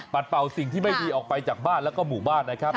เป่าสิ่งที่ไม่ดีออกไปจากบ้านแล้วก็หมู่บ้านนะครับ